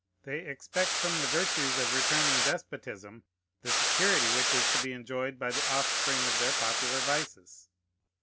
They expect from the virtues of returning despotism the security which is to be enjoyed by the offspring of their popular vices.